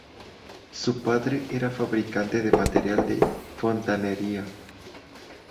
Su padre era fabricante de material de fontanería.